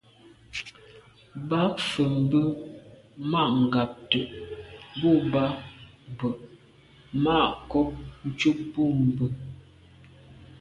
Bə̌k fə̀ mbə́ má ngǎtə̀' bû bá bə̌ má kòb ncúp bú mbə̄.